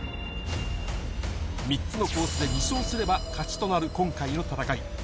３つのコースで２勝すれば勝ちとなる今回の戦い。